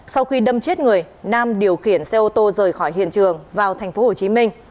sau khi đâm chết người nam điều khiển xe ô tô rời khỏi hiện trường vào tp hcm